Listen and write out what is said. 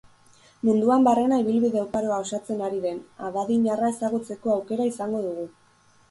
Munduan barrena ibilbide oparoa osatzen ari den abadiñarra ezagutzeko aukera izango dugu.